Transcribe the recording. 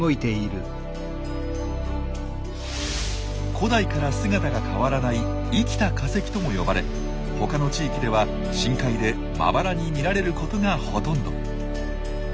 古代から姿が変わらない「生きた化石」とも呼ばれ他の地域では深海でまばらに見られることがほとんど。